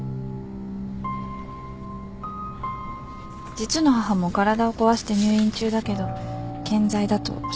実の母も体を壊して入院中だけど健在だと教えてくれました。